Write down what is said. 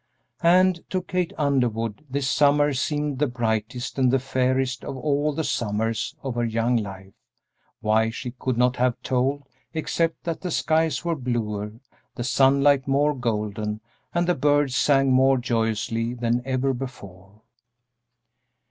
And to Kate Underwood this summer seemed the brightest and the fairest of all the summers of her young life; why, she could not have told, except that the skies were bluer, the sunlight more golden, and the birds sang more joyously than ever before.